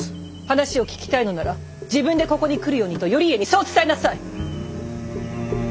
話を聞きたいのなら自分でここに来るようにと頼家にそう伝えなさい！